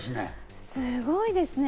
すごいですね。